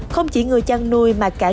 không chỉ người chăn nuôi mà cả doanh nghiệp